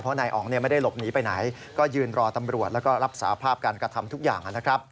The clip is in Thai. เพราะนายอ๋องไม่ได้หลบหนีไปไหนก็ยืนรอตำรวจและรับสาภาพการกระทำทุกอย่าง